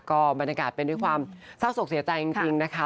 ก็บรรยากาศเป็นด้วยความเศร้าศกเสียใจจริงนะคะ